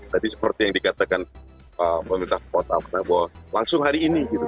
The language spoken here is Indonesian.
tadi seperti yang dikatakan pemerintah kota bahwa langsung hari ini gitu